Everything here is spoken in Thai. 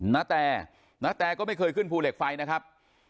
นาแตณแตก็ไม่เคยขึ้นภูเหล็กไฟนะครับ